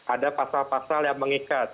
ada pasal pasal yang mengikat